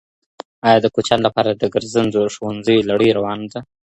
آیا د کوچیانو لپاره د ګرځندو ښوونځیو لړۍ روانه ده؟